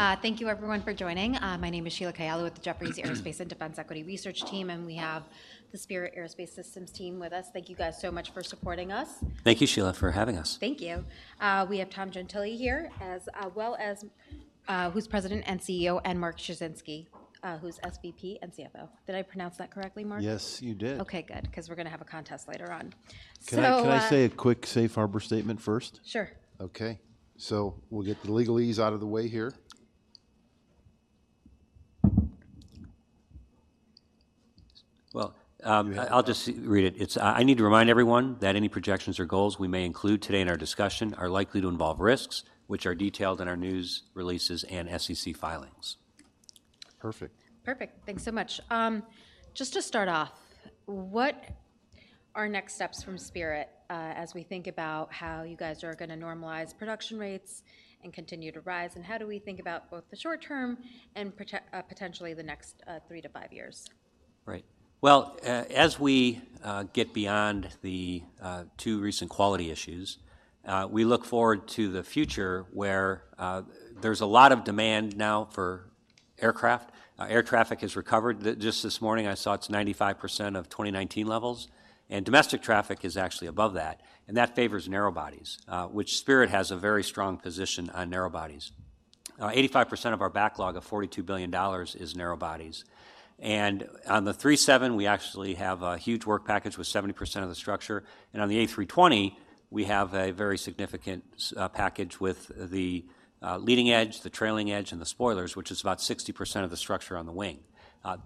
Ah, thank you everyone for joining. My name is Sheila Kahyaoglu with the Jefferies Aerospace and Defense Equity Research Team, and we have the Spirit AeroSystems team with us. Thank you guys so much for supporting us. Thank you, Sheila, for having us. Thank you. We have Tom Gentile here, who's President and CEO, and Mark Suchinski, who's SVP and CFO. Did I pronounce that correctly, Mark? Yes, you did. Okay, good, 'cause we're gonna have a contest later on. So, Can I say a quick safe harbor statement first? Sure. Okay. So we'll get the legalese out of the way here. Well, I'll just read it. I need to remind everyone that any projections or goals we may include today in our discussion are likely to involve risks, which are detailed in our news releases and SEC filings. Perfect. Perfect. Thanks so much. Just to start off, what are next steps from Spirit, as we think about how you guys are gonna normalize production rates and continue to rise, and how do we think about both the short term and potentially the next three to five years? Right. Well, as we get beyond the two recent quality issues, we look forward to the future, where there's a lot of demand now for aircraft. Air traffic has recovered. Just this morning, I saw it's 95% of 2019 levels, and domestic traffic is actually above that, and that favors narrow bodies, which Spirit has a very strong position on narrow bodies. 85% of our backlog of $42 billion is narrow bodies. And on the 737, we actually have a huge work package with 70% of the structure, and on the A320, we have a very significant package with the leading edge, the trailing edge, and the spoilers, which is about 60% of the structure on the wing.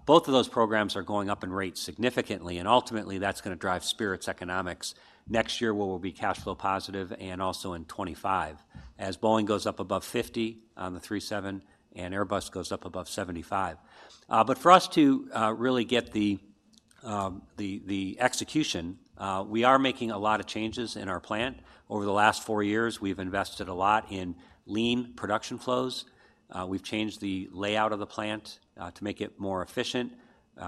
Both of those programs are going up in rate significantly, and ultimately, that's gonna drive Spirit's economics. Next year, we will be cash flow positive and also in 2025, as Boeing goes up above 50% on the 737 and Airbus goes up above 75%. But for us to really get the execution, we are making a lot of changes in our plant. Over the last four years, we've invested a lot in lean production flows. We've changed the layout of the plant to make it more efficient.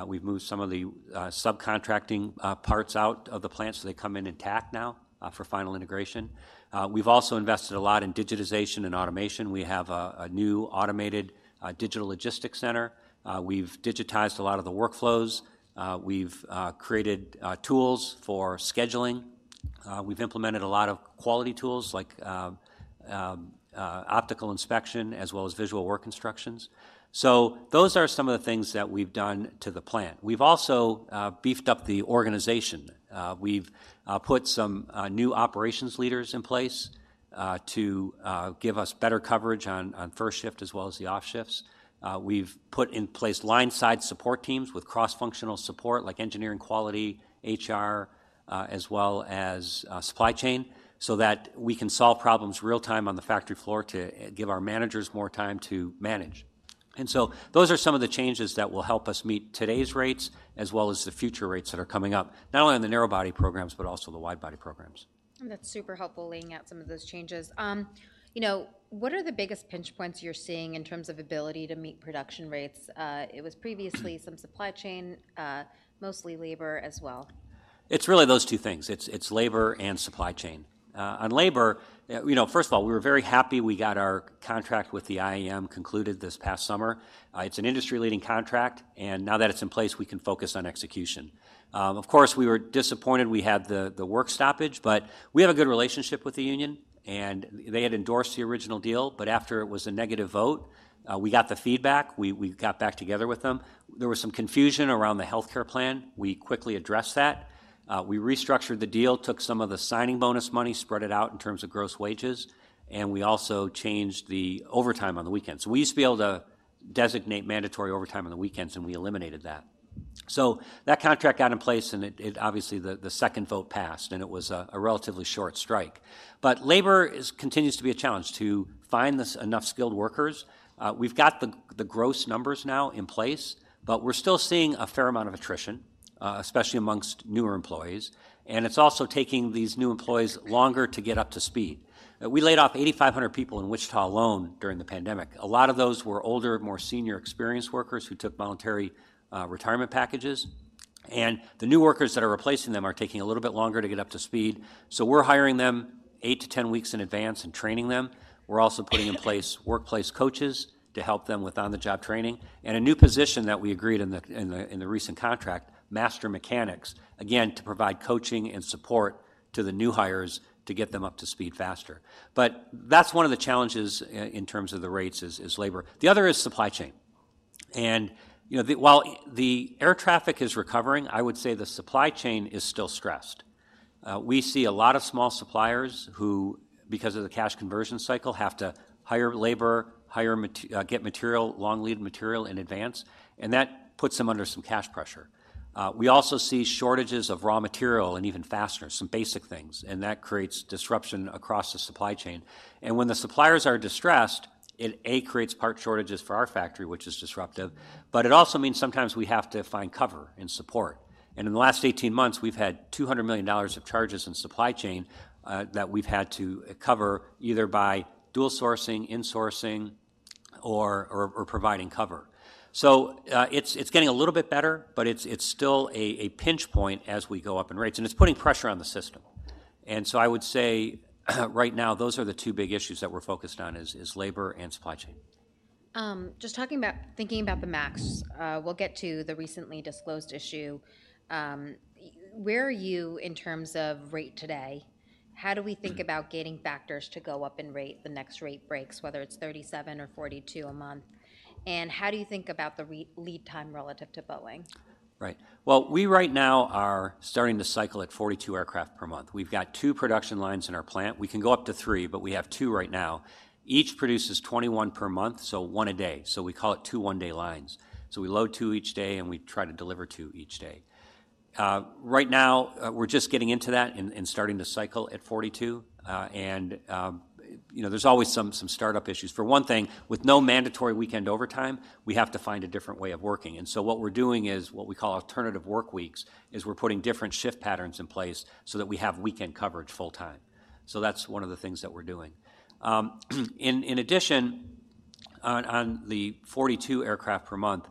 We've moved some of the subcontracting parts out of the plant, so they come in intact now for final integration. We've also invested a lot in digitization and automation. We have a new automated digital logistics center. We've digitized a lot of the workflows. We've created tools for scheduling. We've implemented a lot of quality tools like optical inspection, as well as visual work instructions. So those are some of the things that we've done to the plant. We've also beefed up the organization. We've put some new operations leaders in place to give us better coverage on first shift, as well as the off shifts. We've put in place line side support teams with cross-functional support, like engineering, quality, HR, as well as supply chain, so that we can solve problems real time on the factory floor to give our managers more time to manage. Those are some of the changes that will help us meet today's rates, as well as the future rates that are coming up, not only on the narrow-body programs, but also the wide-body programs. That's super helpful, laying out some of those changes. You know, what are the biggest pinch points you're seeing in terms of ability to meet production rates? It was previously some supply chain, mostly labor as well. It's really those two things. It's labor and supply chain. On labor, you know, first of all, we were very happy we got our contract with the IAM concluded this past summer. It's an industry-leading contract, and now that it's in place, we can focus on execution. Of course, we were disappointed we had the work stoppage, but we have a good relationship with the union, and they had endorsed the original deal. But after it was a negative vote, we got the feedback. We got back together with them. There was some confusion around the healthcare plan. We quickly addressed that. We restructured the deal, took some of the signing bonus money, spread it out in terms of gross wages, and we also changed the overtime on the weekend. So we used to be able to designate mandatory overtime on the weekends, and we eliminated that. So that contract got in place, and it. Obviously, the second vote passed, and it was a relatively short strike. But labor continues to be a challenge, to find enough skilled workers. We've got the gross numbers now in place, but we're still seeing a fair amount of attrition, especially amongst newer employees, and it's also taking these new employees longer to get up to speed. We laid off 8,500 people in Wichita alone during the pandemic. A lot of those were older, more senior experienced workers who took voluntary retirement packages, and the new workers that are replacing them are taking a little bit longer to get up to speed. So we're hiring them 8-10 weeks in advance and training them. We're also putting in place workplace coaches to help them with on-the-job training and a new position that we agreed in the recent contract, master mechanics, again, to provide coaching and support to the new hires to get them up to speed faster. But that's one of the challenges in terms of the rates is labor. The other is supply chain. And, you know, while the air traffic is recovering, I would say the supply chain is still stressed. We see a lot of small suppliers who, because of the cash conversion cycle, have to hire labor, get material, long-lead material in advance, and that puts them under some cash pressure. We also see shortages of raw material and even fasteners, some basic things, and that creates disruption across the supply chain. And when the suppliers are distressed, it creates part shortages for our factory, which is disruptive, but it also means sometimes we have to find cover and support. And in the last 18 months, we've had $200 million of charges in supply chain that we've had to cover, either by dual sourcing, insourcing, or providing cover. So, it's getting a little bit better, but it's still a pinch point as we go up in rates, and it's putting pressure on the system.... And so I would say, right now, those are the two big issues that we're focused on: labor and supply chain. Thinking about the MAX, we'll get to the recently disclosed issue. Where are you in terms of rate today? How do we think about getting factors to go up in rate, the next rate breaks, whether it's 37 or 42 a month? And how do you think about the lead time relative to Boeing? Right. Well, we right now are starting to cycle at 42 aircraft per month. We've got two production lines in our plant. We can go up to three, but we have two right now. Each produces 21 aircraft per month, so one a day. So we call it two one-day lines. So we load two each day, and we try to deliver two each day. Right now, we're just getting into that and starting to cycle at 42 aircraft per month. And, you know, there's always some startup issues. For one thing, with no mandatory weekend overtime, we have to find a different way of working. And so what we're doing is what we call alternative work weeks, is we're putting different shift patterns in place so that we have weekend coverage full-time. So that's one of the things that we're doing. In addition, on the 42 aircraft per month,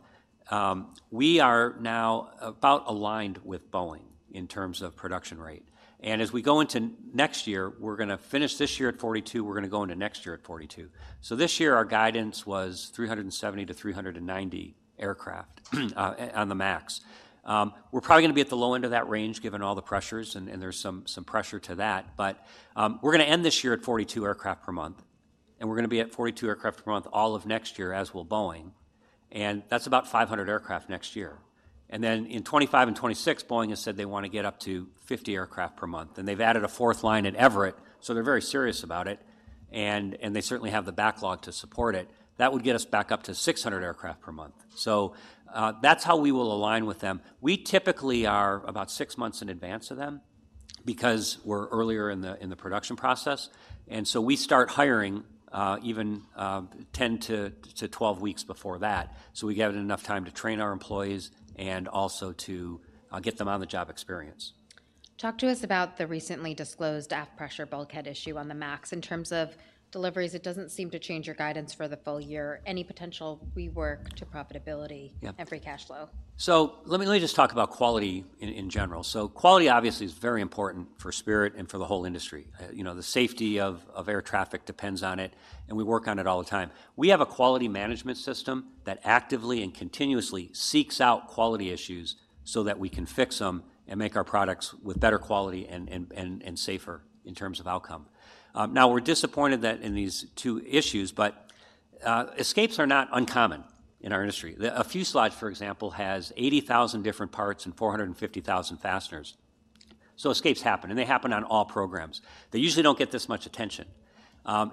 we are now about aligned with Boeing in terms of production rate. And as we go into next year, we're going to finish this year at 42 aircraft per month, we're going to go into next year at 42 aircraft per month. So this year, our guidance was 370-390 aircraft on the MAX. We're probably going to be at the low end of that range, given all the pressures, and there's some pressure to that. But we're going to end this year at 42 aircraft per month, and we're going to be at 42 aircraft per month all of next year, as will Boeing, and that's about 500 aircraft next year. And then in 2025 and 2026, Boeing has said they want to get up to 50 aircraft per month, and they've added a 4th line in Everett, so they're very serious about it, and, and they certainly have the backlog to support it. That would get us back up to 600 aircraft per month. So, that's how we will align with them. We typically are about 6 months in advance of them because we're earlier in the, in the production process, and so we start hiring, even, 10-12 weeks before that. So we give it enough time to train our employees and also to, get them on the job experience. Talk to us about the recently disclosed aft pressure bulkhead issue on the MAX. In terms of deliveries, it doesn't seem to change your guidance for the full year. Any potential rework to profitability- Yeah. and free cash flow? So let me, let me just talk about quality in, in general. So quality obviously is very important for Spirit and for the whole industry. You know, the safety of, of air traffic depends on it, and we work on it all the time. We have a quality management system that actively and continuously seeks out quality issues so that we can fix them and make our products with better quality and, and, and, and safer in terms of outcome. Now, we're disappointed that in these two issues, but escapes are not uncommon in our industry. A fuselage, for example, has 80,000 different parts and 450,000 fasteners. So escapes happen, and they happen on all programs. They usually don't get this much attention.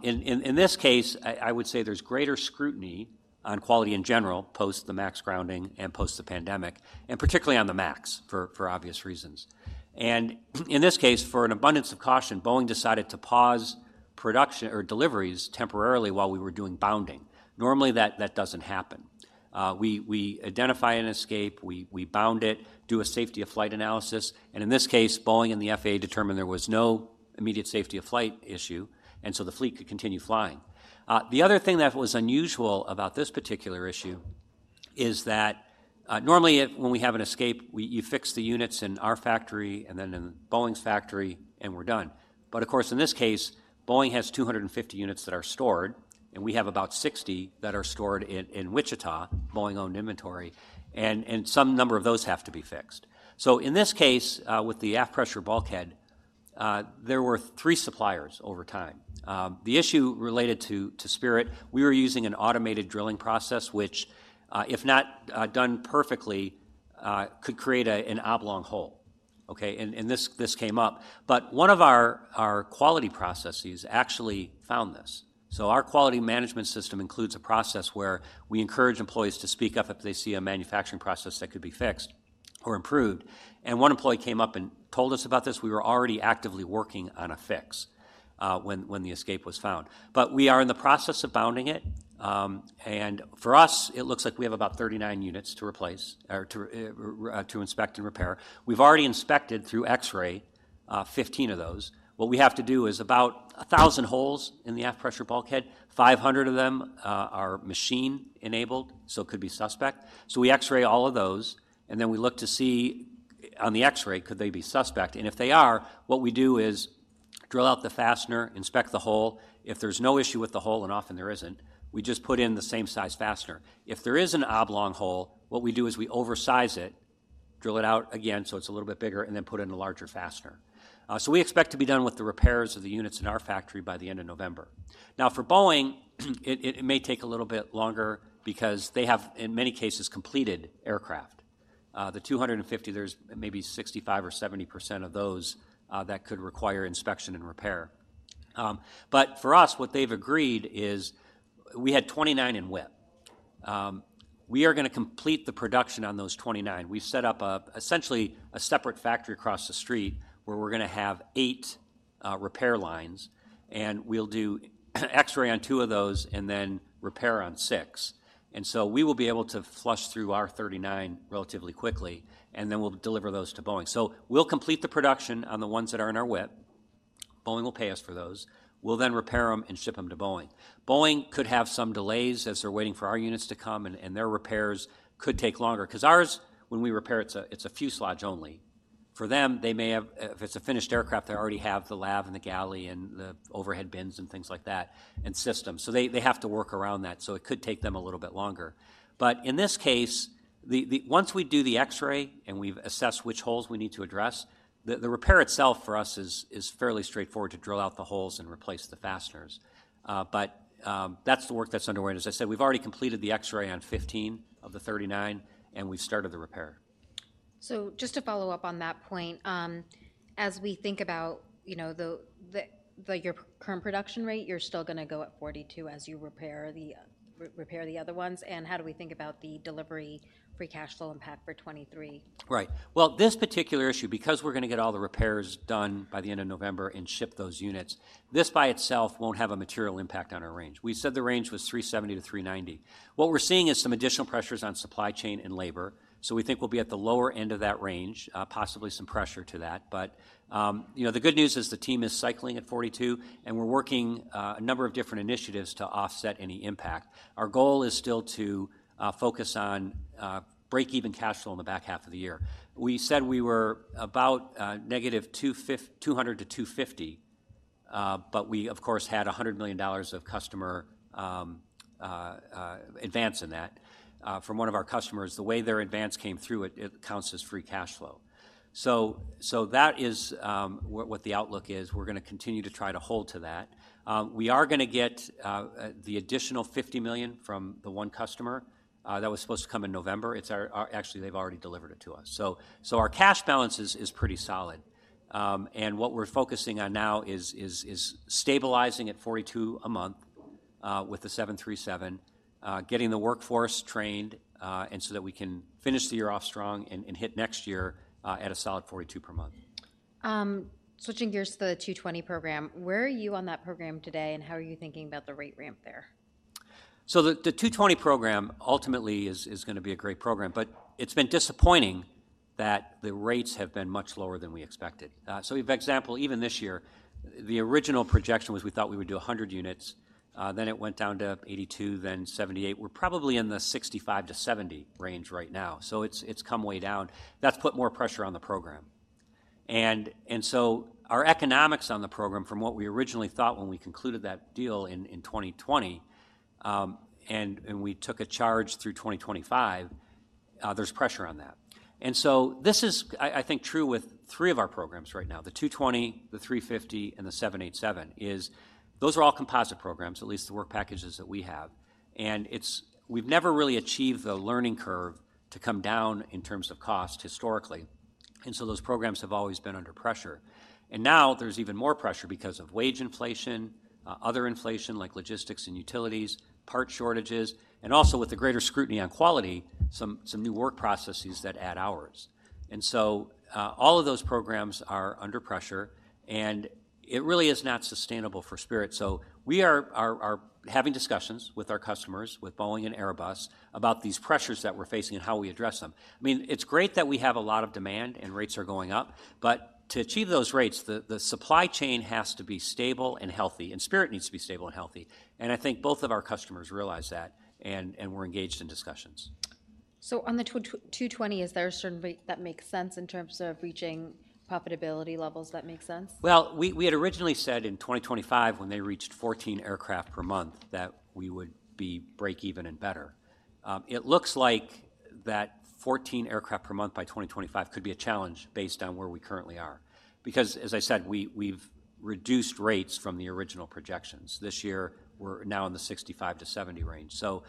In this case, I would say there's greater scrutiny on quality in general, post the MAX grounding and post the pandemic, and particularly on the MAX for obvious reasons. In this case, for an abundance of caution, Boeing decided to pause production or deliveries temporarily while we were doing bounding. Normally, that doesn't happen. We identify an escape, we bound it, do a safety of flight analysis, and in this case, Boeing and the FAA determined there was no immediate safety of flight issue, and so the fleet could continue flying. The other thing that was unusual about this particular issue is that, normally, if... when we have an escape, we-- you fix the units in our factory and then in Boeing's factory, and we're done. But of course, in this case, Boeing has 250 units that are stored, and we have about 60 units that are stored in Wichita, Boeing-owned inventory, and some number of those have to be fixed. So in this case, with the aft pressure bulkhead, there were three suppliers over time. The issue related to Spirit, we were using an automated drilling process, which, if not done perfectly, could create an oblong hole, okay? And this came up. But one of our quality processes actually found this. So our quality management system includes a process where we encourage employees to speak up if they see a manufacturing process that could be fixed or improved. And one employee came up and told us about this. We were already actively working on a fix, when the escape was found. But we are in the process of bounding it, and for us, it looks like we have about 39 units to replace or to inspect and repair. We've already inspected through X-ray 15 of those. What we have to do is about 1,000 holes in the aft pressure bulkhead, 500 of them are machine enabled, so could be suspect. So we X-ray all of those, and then we look to see on the X-ray, could they be suspect? And if they are, what we do is drill out the fastener, inspect the hole. If there's no issue with the hole, and often there isn't, we just put in the same size fastener. If there is an oblong hole, what we do is we oversize it, drill it out again, so it's a little bit bigger, and then put in a larger fastener. We expect to be done with the repairs of the units in our factory by the end of November. Now, for Boeing, it may take a little bit longer because they have, in many cases, completed aircraft. The 250, there's maybe 65% or 70% of those that could require inspection and repair. For us, what they've agreed is we had 29 in WIP. We are going to complete the production on those 29. We've set up a, essentially a separate factory across the street, where we're going to have eight repair lines, and we'll do X-ray on two of those and then repair on six. And so we will be able to flush through our 39 relatively quickly, and then we'll deliver those to Boeing. So we'll complete the production on the ones that are in our WIP. Boeing will pay us for those. We'll then repair them and ship them to Boeing. Boeing could have some delays as they're waiting for our units to come, and their repairs could take longer, 'cause ours, when we repair it, it's a fuselage only. For them, they may have if it's a finished aircraft, they already have the lav and the galley and the overhead bins and things like that, and systems. So they have to work around that, so it could take them a little bit longer. But in this case, once we do the X-ray, and we've assessed which holes we need to address, the repair itself for us is fairly straightforward to drill out the holes and replace the fasteners. But that's the work that's underway. And as I said, we've already completed the X-ray on 15 of the 39, and we've started the repair. So just to follow up on that point, as we think about, you know, the like, your current production rate, you're still going to go at 42 aircraft per month as you repair the other ones? And how do we think about the delivery free cash flow impact for 2023? Right. Well, this particular issue, because we're going to get all the repairs done by the end of November and ship those units, this by itself won't have a material impact on our range. We said the range was $370 million-$390 million. What we're seeing is some additional pressures on supply chain and labor, so we think we'll be at the lower end of that range, possibly some pressure to that. But, you know, the good news is the team is cycling at 42, and we're working a number of different initiatives to offset any impact. Our goal is still to focus on break-even cash flow in the back half of the year. We said we were about negative $200 million-$250 million, but we, of course, had $100 million of customer advance in that from one of our customers. The way their advance came through, it counts as free cash flow. So that is what the outlook is. We're going to continue to try to hold to that. We are going to get the additional $50 million from the one customer that was supposed to come in November. It's our... Actually, they've already delivered it to us. So our cash balance is pretty solid. And what we're focusing on now is stabilizing at 42 a month with the 737, getting the workforce trained, and so that we can finish the year off strong and hit next year at a solid 42 per month. Switching gears to the A220 program, where are you on that program today, and how are you thinking about the rate ramp there? So the A220 program ultimately is going to be a great program, but it's been disappointing that the rates have been much lower than we expected. So for example, even this year, the original projection was we thought we would do 100 units, then it went down to 82 units, then 78 units. We're probably in the 65 units-70 units range right now. So it's come way down. That's put more pressure on the program. And so our economics on the program, from what we originally thought when we concluded that deal in 2020, and we took a charge through 2025, there's pressure on that. And so this is, I think, true with three of our programs right now, the 220, the 350, and the 787, is those are all composite programs, at least the work packages that we have, and it's. We've never really achieved the learning curve to come down in terms of cost historically, and so those programs have always been under pressure. And now there's even more pressure because of wage inflation, other inflation, like logistics and utilities, part shortages, and also with the greater scrutiny on quality, some new work processes that add hours. And so, all of those programs are under pressure, and it really is not sustainable for Spirit. So we are having discussions with our customers, with Boeing and Airbus, about these pressures that we're facing and how we address them. I mean, it's great that we have a lot of demand and rates are going up, but to achieve those rates, the supply chain has to be stable and healthy, and Spirit needs to be stable and healthy. I think both of our customers realize that, and we're engaged in discussions. So on the A220, is there a certain rate that makes sense in terms of reaching profitability levels that make sense? Well, we, we had originally said in 2025, when they reached 14 aircraft per month, that we would be break even and better. It looks like that 14 aircraft per month by 2025 could be a challenge based on where we currently are. Because, as I said, we, we've reduced rates from the original projections. This year, we're now in the 65 units-70 units range. So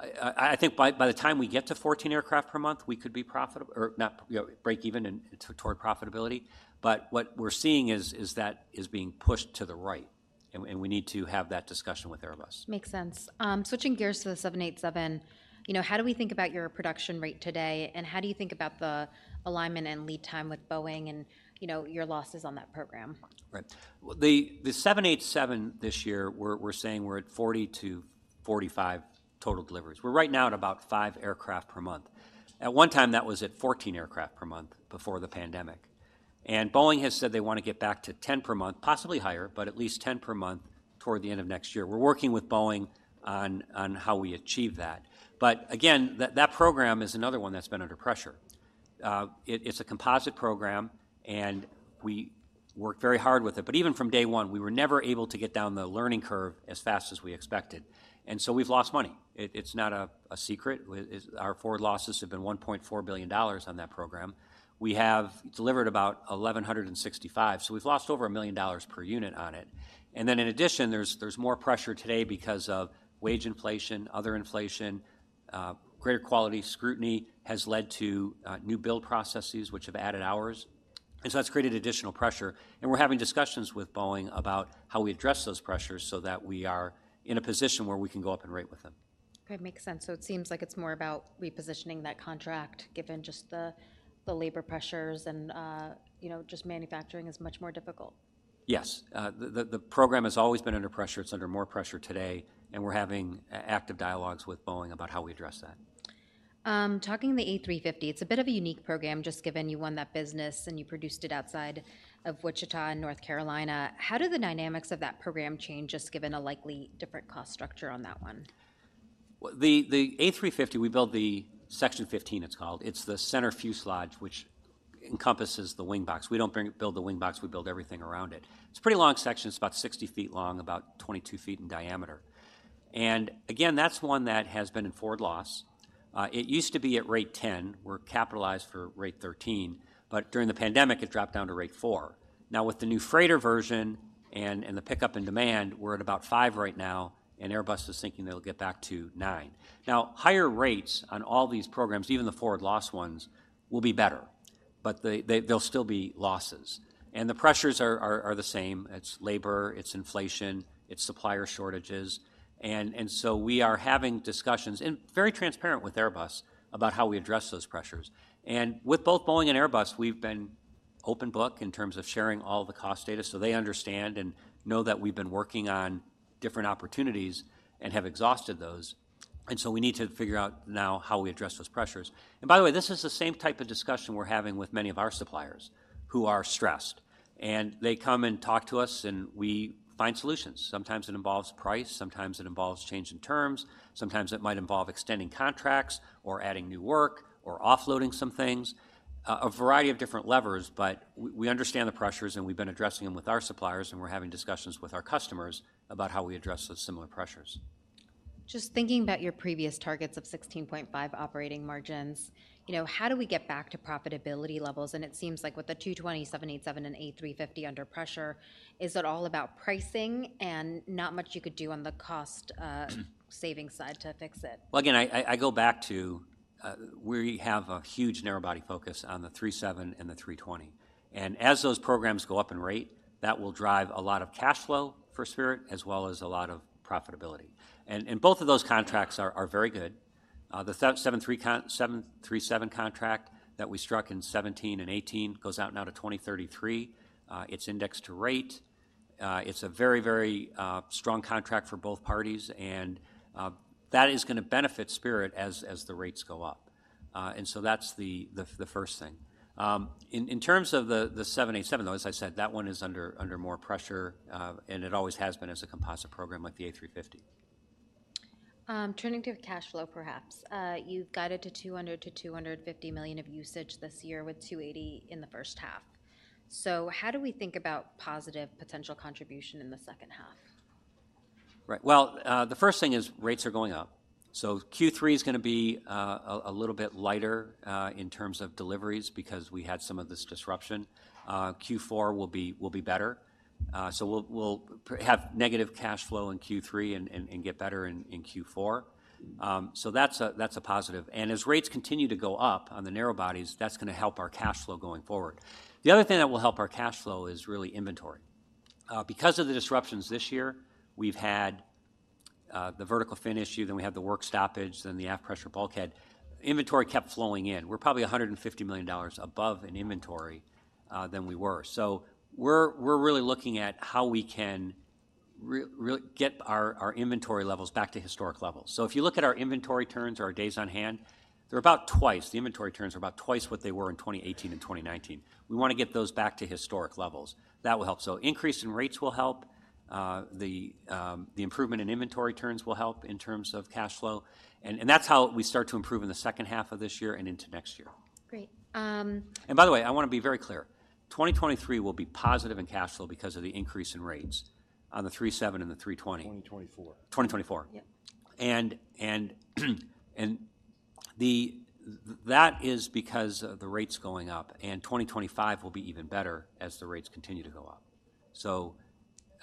I, I, I think by, by the time we get to 14 aircraft per month, we could be profitable, or not, you know, break even and toward profitability. But what we're seeing is, is that is being pushed to the right, and, and we need to have that discussion with Airbus. Makes sense. Switching gears to the 787, you know, how do we think about your production rate today, and how do you think about the alignment and lead time with Boeing and, you know, your losses on that program? Right. Well, the 787 this year, we're saying we're at 40 total deliveries-45 total deliveries. We're right now at about 5 aircraft per month. At one time, that was at 14 aircraft per month before the pandemic. And Boeing has said they want to get back to 10 per month, possibly higher, but at least 10 per month toward the end of next year. We're working with Boeing on how we achieve that. But again, that program is another one that's been under pressure. It's a composite program, and we worked very hard with it. But even from day one, we were never able to get down the learning curve as fast as we expected, and so we've lost money. It's not a secret. It's—Our forward losses have been $1.4 billion on that program. We have delivered about 1,165, so we've lost over $1 million per unit on it. And then in addition, there's more pressure today because of wage inflation, other inflation, greater quality scrutiny has led to new build processes, which have added hours, and so that's created additional pressure. And we're having discussions with Boeing about how we address those pressures so that we are in a position where we can go up and rate with them. Okay, makes sense. So it seems like it's more about repositioning that contract, given just the labor pressures and, you know, just manufacturing is much more difficult. Yes. The program has always been under pressure. It's under more pressure today, and we're having active dialogues with Boeing about how we address that.... talking the A350, it's a bit of a unique program, just given you won that business and you produced it outside of Wichita and North Carolina. How do the dynamics of that program change, just given a likely different cost structure on that one? Well, the A350, we build the Section 15, it's called. It's the center fuselage, which encompasses the wing box. We don't build the wing box, we build everything around it. It's a pretty long section. It's about 60 feet long, about 22 feet in diameter. And again, that's one that has been in forward loss. It used to be at rate 10. We're capitalized for rate 13, but during the pandemic, it dropped down to rate 4. Now, with the new freighter version and the pickup in demand, we're at about rate 5 right now, and Airbus is thinking they'll get back to rate 9. Now, higher rates on all these programs, even the forward loss ones, will be better, but they'll still be losses. And the pressures are the same: it's labor, it's inflation, it's supplier shortages. And so we are having discussions, and very transparent with Airbus, about how we address those pressures. And with both Boeing and Airbus, we've been open book in terms of sharing all the cost data, so they understand and know that we've been working on different opportunities and have exhausted those. And so we need to figure out now how we address those pressures. And by the way, this is the same type of discussion we're having with many of our suppliers, who are stressed, and they come and talk to us, and we find solutions. Sometimes it involves price, sometimes it involves change in terms, sometimes it might involve extending contracts or adding new work or offloading some things, a variety of different levers. But we understand the pressures, and we've been addressing them with our suppliers, and we're having discussions with our customers about how we address those similar pressures. Just thinking about your previous targets of 16.5 operating margins, you know, how do we get back to profitability levels? And it seems like with the A220, 787, and A350 under pressure, is it all about pricing and not much you could do on the cost saving side to fix it? Well, again, I go back to, we have a huge narrow body focus on the 737 and the 320, and as those programs go up in rate, that will drive a lot of cash flow for Spirit, as well as a lot of profitability. And both of those contracts are very good. The 737 contract that we struck in 2017 and 2018 goes out now to 2033. It's indexed to rate. It's a very, very strong contract for both parties, and that is going to benefit Spirit as the rates go up. And so that's the first thing. In terms of the 787, though, as I said, that one is under more pressure, and it always has been as a composite program like the A350. Turning to cash flow, perhaps. You've guided to $200 million-$250 million of usage this year, with $280 million in the first half. So how do we think about positive potential contribution in the second half? Right. Well, the first thing is rates are going up, so Q3 is going to be a little bit lighter in terms of deliveries because we had some of this disruption. Q4 will be better. So we'll have negative cash flow in Q3 and get better in Q4. So that's a positive, and as rates continue to go up on the narrow bodies, that's going to help our cash flow going forward. The other thing that will help our cash flow is really inventory. Because of the disruptions this year, we've had the vertical fin issue, then we had the work stoppage, then the aft pressure bulkhead. Inventory kept flowing in. We're probably $150 million above in inventory than we were. So we're really looking at how we can get our inventory levels back to historic levels. So if you look at our inventory turns, or our days on hand, they're about twice what they were in 2018 and 2019. We want to get those back to historic levels. That will help. So increase in rates will help. The improvement in inventory turns will help in terms of cash flow, and that's how we start to improve in the second half of this year and into next year. Great, um- By the way, I want to be very clear: 2023 will be positive in cash flow because of the increase in rates on the 737 and the 320. Twenty twenty-four. Twenty twenty-four. Yep. That is because of the rates going up, and 2025 will be even better as the rates continue to go up. So,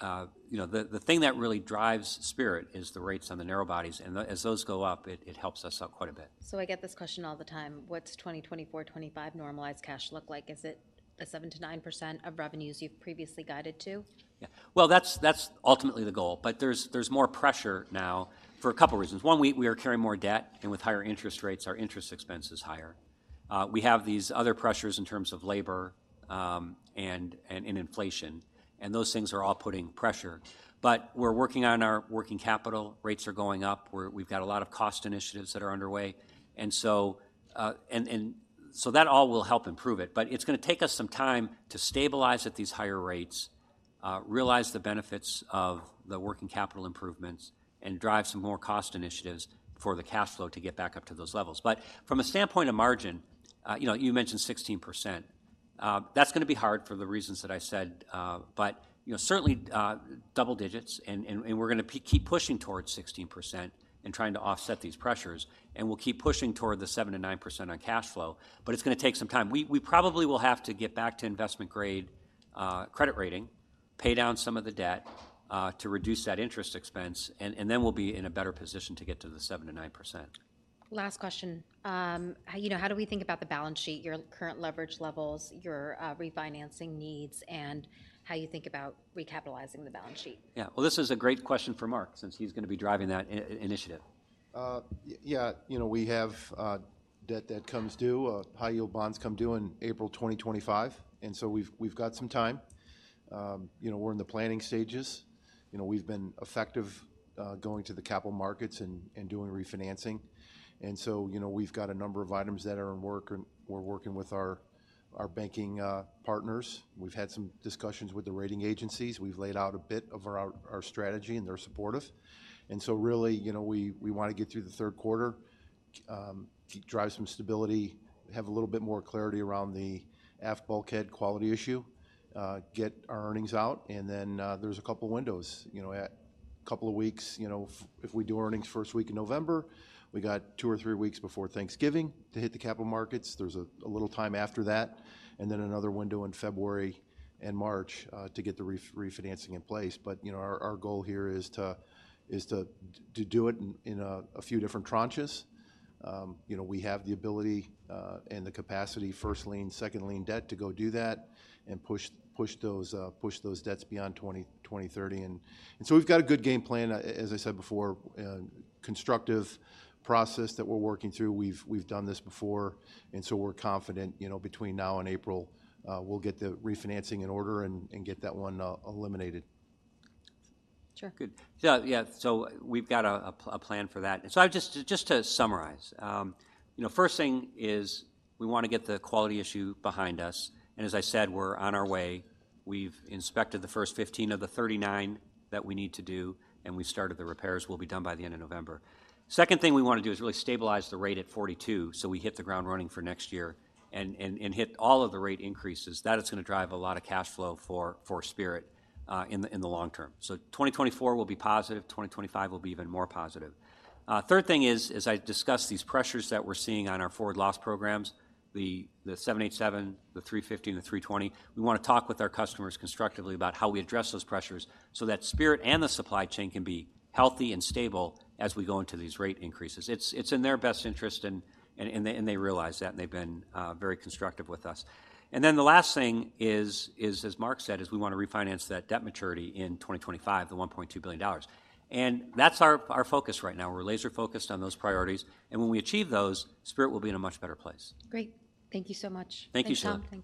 you know, the thing that really drives Spirit is the rates on the narrow bodies, and as those go up, it helps us out quite a bit. So I get this question all the time: What's 2024, 2025 normalized cash look like? Is it a 7%-9% of revenues you've previously guided to? Yeah. Well, that's ultimately the goal, but there's more pressure now for a couple reasons. One, we are carrying more debt, and with higher interest rates, our interest expense is higher. We have these other pressures in terms of labor, and inflation, and those things are all putting pressure. But we're working on our working capital. Rates are going up, we've got a lot of cost initiatives that are underway, and so that all will help improve it. But it's going to take us some time to stabilize at these higher rates, realize the benefits of the working capital improvements, and drive some more cost initiatives for the cash flow to get back up to those levels. But from a standpoint of margin, you know, you mentioned 16%. That's going to be hard for the reasons that I said, but, you know, certainly, double digits, and we're going to keep pushing towards 16% and trying to offset these pressures, and we'll keep pushing toward the 7%-9% on cash flow, but it's going to take some time. We probably will have to get back to investment-grade credit rating, pay down some of the debt, to reduce that interest expense, and then we'll be in a better position to get to the 7%-9%. Last question. How, you know, how do we think about the balance sheet, your current leverage levels, your refinancing needs, and how you think about recapitalizing the balance sheet? Yeah. Well, this is a great question for Mark, since he's going to be driving that initiative. Yeah, you know, we have debt that comes due. High-yield bonds come due in April 2025, and so we've got some time. You know, we're in the planning stages, you know, we've been effective going to the capital markets and doing refinancing. So, you know, we've got a number of items that are in work, and we're working with our banking partners. We've had some discussions with the rating agencies. We've laid out a bit of our strategy, and they're supportive. So really, you know, we wanna get through the third quarter, drive some stability, have a little bit more clarity around the aft bulkhead quality issue, get our earnings out, and then there's a couple windows, you know, a couple of weeks if we do earnings first week in November, we got two or three weeks before Thanksgiving to hit the capital markets. There's a little time after that, and then another window in February and March to get the refinancing in place. But you know, our goal here is to do it in a few different tranches. You know, we have the ability and the capacity, first lien, second lien debt, to go do that and push those debts beyond 2020, 2030. And so we've got a good game plan, as I said before, constructive process that we're working through. We've done this before, and so we're confident, you know, between now and April, we'll get the refinancing in order and get that one eliminated. Sure. Good. Yeah, yeah, so we've got a plan for that. And so just to summarise, you know, first thing is we wanna get the quality issue behind us, and as I said, we're on our way. We've inspected the first 15 of the 39 that we need to do, and we've started the repairs. We'll be done by the end of November. Second thing we wanna do is really stabilize the rate at 42 aircraft per month, so we hit the ground running for next year and hit all of the rate increases. That is gonna drive a lot of cash flow for Spirit in the long term. So 2024 will be positive. 2025 will be even more positive. Third thing is, as I discussed, these pressures that we're seeing on our forward loss programs, the 787, the 350 and the 320. We wanna talk with our customers constructively about how we address those pressures so that Spirit and the supply chain can be healthy and stable as we go into these rate increases. It's in their best interest, and they realize that, and they've been very constructive with us. And then the last thing is, as Mark said, we wanna refinance that debt maturity in 2025, the $1.2 billion. And that's our focus right now. We're laser-focused on those priorities, and when we achieve those, Spirit will be in a much better place. Great. Thank you so much. Thank you, Sheila. Thanks, Tom. Thanks-